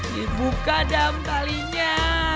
dibuka dam talinya